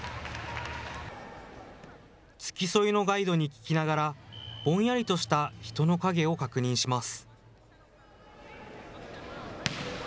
付き添いのガイドに聞きながら、ぼんやりとした人の影を確認します。